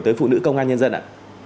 tới phụ nữ công an nhân dân ạ